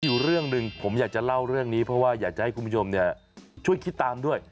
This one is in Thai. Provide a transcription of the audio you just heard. อยู่เรื่องหนึ่งผมอยากจะเล่าเรื่องนี้เพราะว่าอยากจะให้คุณผู้ชมช่วยคิดตามด้วย